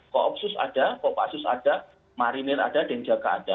koopsus ada kopassus ada marinir ada denjaka ada